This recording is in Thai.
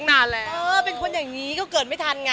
อ่าเป็นควันแบบนี้เขากินไม่ทันไง